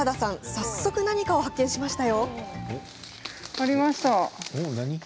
早速、何かを発見しました。